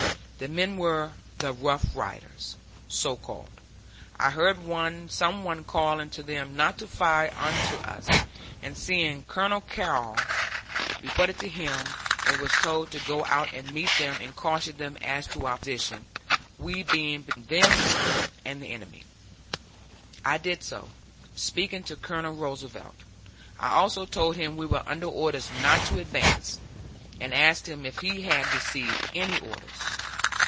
The men were the 'Rough Riders,' so called. I heard some one calling to them not to fire into us, and seeing Colonel Carrol, reported to him, and was told to go out and meet them, and caution them as to our position, we being between them and the enemy. I did so, speaking to Colonel Roosevelt. I also told him we were under orders not to advance, and asked him if he had received any orders.